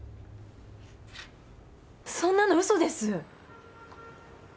そんなの嘘です。